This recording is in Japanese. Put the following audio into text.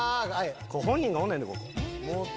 本人がおんねんでここ。